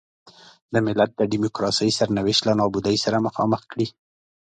د ملت د ډیموکراسۍ سرنوشت له نابودۍ سره مخامخ کړي.